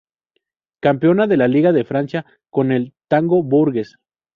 Campeona de la liga de Francia con el Tango Bourges.